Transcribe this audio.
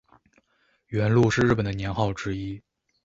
元禄是日本的年号之一。